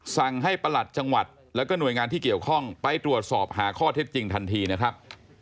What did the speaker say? สั่งให้ประหลัดจังหวัดแล้วก็หน่วยงานที่เกี่ยวข้องไปตรวจสอบหาข้อเท็จจริงทันทีนะครับ